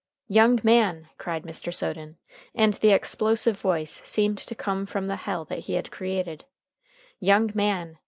"Young man!" cried Mr. Soden, and the explosive voice seemed to come from the hell that he had created "young man!